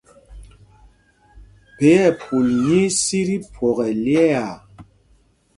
Phē ɛpul nyí í sī tí phwɔk ɛlyɛ̄ɛ̄â.